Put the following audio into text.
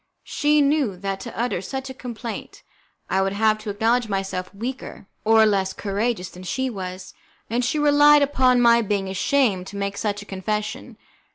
She knew that to utter such a complaint I would have to acknowledge myself weaker or less courageous than she was, and she relied upon my being ashamed to make such a confession.